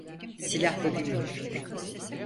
Silahlı değilim.